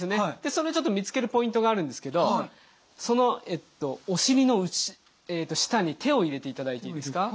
それちょっと見つけるポイントがあるんですけどお尻の下に手を入れていただいていいですか。